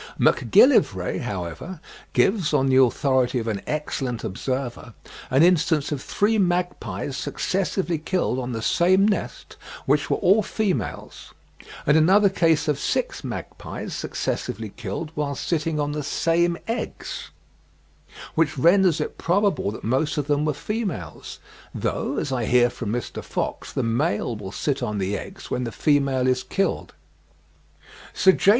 Macgillivray, however, gives, on the authority of an excellent observer, an instance of three magpies successively killed on the same nest, which were all females; and another case of six magpies successively killed whilst sitting on the same eggs, which renders it probable that most of them were females; though, as I hear from Mr. Fox, the male will sit on the eggs when the female is killed. Sir J.